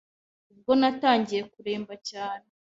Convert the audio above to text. Ubwo natangiye kuremba cyane